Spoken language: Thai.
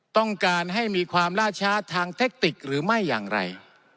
ต้องการให้มีความล่าช้าทางเทคติกหรือไม่อย่างไร